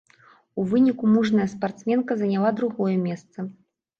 У выніку мужная спартсменка заняла другое месца.